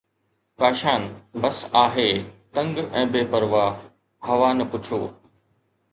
ڪاشان بس آهي تنگ ۽ بي پرواهه! هوا نه پڇو